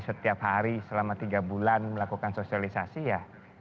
setiap hari selama tiga bulan melakukan sosialisasi ya